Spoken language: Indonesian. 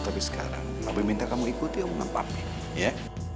tapi sekarang papi minta kamu ikuti omongan papi ya